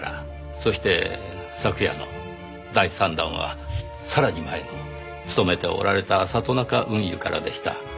そして昨夜の第３弾はさらに前の勤めておられた里中運輸からでした。